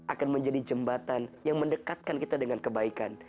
akan menjadi jembatan yang mendekatkan kita dengan kebaikan